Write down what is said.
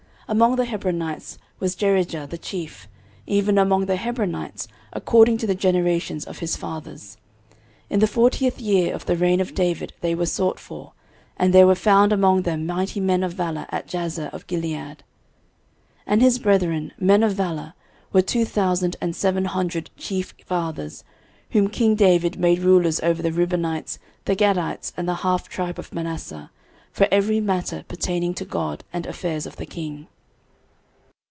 13:026:031 Among the Hebronites was Jerijah the chief, even among the Hebronites, according to the generations of his fathers. In the fortieth year of the reign of David they were sought for, and there were found among them mighty men of valour at Jazer of Gilead. 13:026:032 And his brethren, men of valour, were two thousand and seven hundred chief fathers, whom king David made rulers over the Reubenites, the Gadites, and the half tribe of Manasseh, for every matter pertaining to God, and affairs of the king.